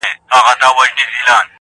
• ځوان به ویښ وو هغه آش هغه کاسه وه -